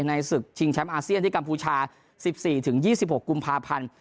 ศึกชิงแชมป์อาเซียนที่กัมพูชา๑๔๒๖กุมภาพันธ์